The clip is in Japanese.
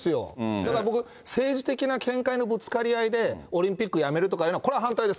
だから僕、政治的な見解のぶつかり合いで、オリンピックやめるとかいうのは、これは反対です。